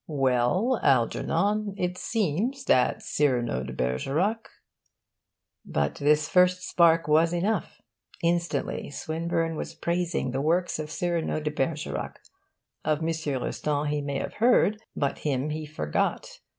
'Well, Algernon, it seems that "Cyrano de Bergerac"' but this first spark was enough: instantly Swinburne was praising the works of Cyrano de Bergerac. Of M. Rostand he may have heard, but him he forgot.